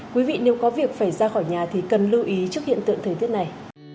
quý vị nếu có việc phải ra khỏi nhà thì cần lưu ý trước hiện tượng thời tiết này